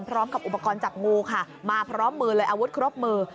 พร้อมกับอุปกรณ์จับงูค่ะมาพร้อมมือเลยอาวุธครบมือ